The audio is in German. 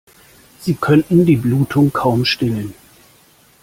Sie könnten die Blutung kaum stillen.